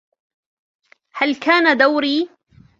هل كان دوري؟